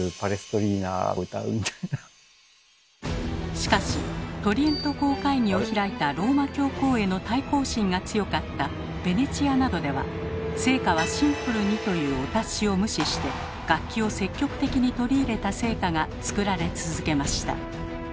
しかしトリエント公会議を開いたローマ教皇への対抗心が強かったべネチアなどでは聖歌はシンプルにというお達しを無視して楽器を積極的に取り入れた聖歌が作られ続けました。